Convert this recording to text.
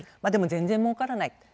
でも全然もうからない。